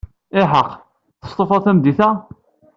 Iḥeqqa, testufaḍ tameddit-a?